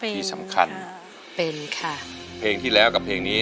เป็นที่สำคัญให้ไม่ผิดค่ะเพรงที่แล้วกับเพลงนี้